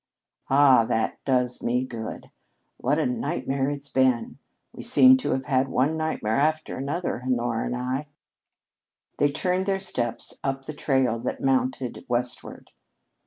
"Ah, that does me good! What a nightmare it's been! We seem to have had one nightmare after another, Honora and I." They turned their steps up the trail that mounted westward.